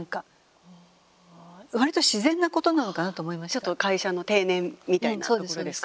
ちょっと会社の定年みたいなところですか？